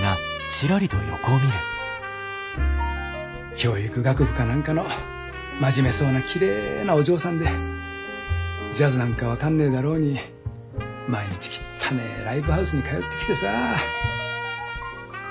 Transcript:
教育学部か何かの真面目そうなきれいなお嬢さんでジャズなんか分かんねえだろうに毎日きったねえライブハウスに通ってきてさあ。